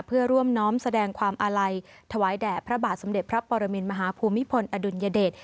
เพื่อร่วมน้อมแสดงความอาลัยถวายแด่พระบาทสมเด็จพระปรมินมหาภูมิพลอดุลยเดช